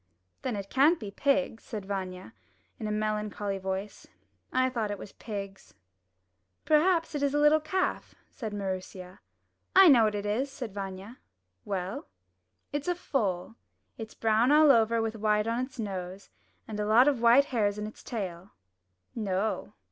'Then it can't be pigs," said Vanya, in a melancholy voice. ''I thought it was pigs." 'Terhaps it is a little calf," said Maroosia. '1 know what it is," said Vanya. 'Well?" "It's a foal. It's brown all over with white on its nose, and a lot of white hairs in its tail." "No."